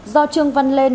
do trương văn lên